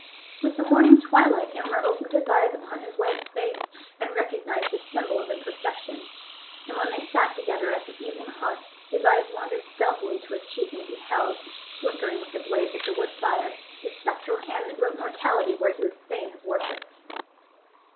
With the morning twilight Aylmer opened his eyes upon his wife's face and recognized the symbol of imperfection; and when they sat together at the evening hearth his eyes wandered stealthily to her cheek, and beheld, flickering with the blaze of the wood fire, the spectral hand that wrote mortality where he would fain have worshipped.